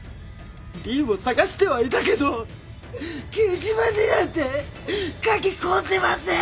凜を捜してはいたけど掲示板になんて書き込んでません！